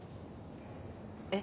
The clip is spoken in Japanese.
え？